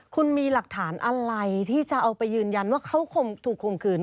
คุณมีหลักฐานอะไรที่จะเอาไปยืนยันว่าเขาถูกคมคืน